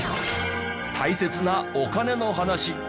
大切なお金の話。